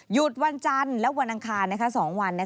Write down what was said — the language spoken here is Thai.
หยุดวันจันทร์และวันอังคาร๒วัน